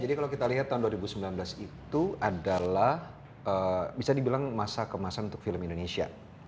jadi kalau kita lihat tahun dua ribu sembilan belas itu adalah bisa dibilang masa kemasan untuk film indonesia